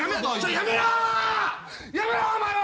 やめろお前は！